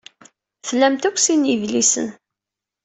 Tlamt akk sin n yidlisen.